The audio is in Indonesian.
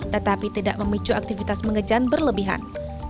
tetapi tidak memicu aktivitas mengejan berlebihan